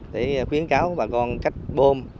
để khuyến cáo bà con cách bơm